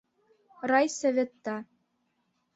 Райсоветта